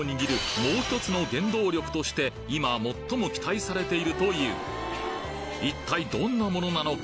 もう１つの原動力として今最も期待されているという一体どんなものなのか？